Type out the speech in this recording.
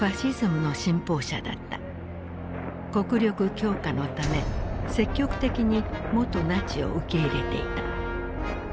国力強化のため積極的に元ナチを受け入れていた。